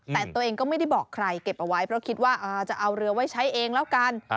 แต่ตัวเองก็ไม่ได้บอกใครเก็บเอาไว้เพราะคิดว่าจะเอาเรือไว้ใช้เองแล้วกัน